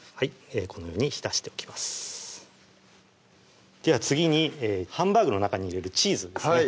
このように浸しておきますでは次にハンバーグの中に入れるチーズですね